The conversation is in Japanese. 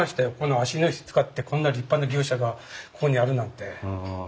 芦野石使ってこんな立派な牛舎がここにあるなんて。